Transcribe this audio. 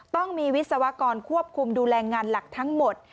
ต้องมีวิศวกรควบคุมดูแลงานหลักทั้งหมด